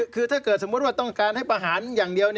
คือถ้าเกิดสมมุติว่าต้องการให้ประหารอย่างเดียว